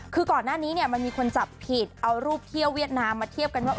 คือก่อนหน้านี้เนี่ยมันมีคนจับผิดเอารูปเที่ยวเวียดนามมาเทียบกันว่า